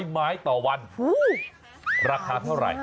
๖๐๐๗๐๐ไม้ต่อวันราคาเท่าไหร่